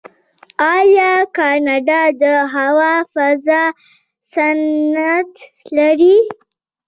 آیا کاناډا د هوا فضا صنعت نلري؟